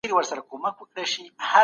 کمپيوټر ارزانه شيان پيدا کوي.